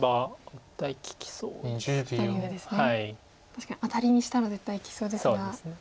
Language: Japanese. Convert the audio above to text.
確かにアタリにしたら絶対利きそうですが。